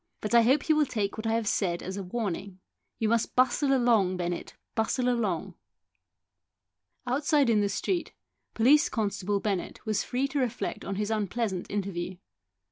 But I hope you will take what I have said as a warning. You must bustle along, Bennett, bustle along." Outside in the street, Police constable Bennett was free to reflect on his unpleasant interview.